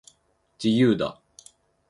自由だ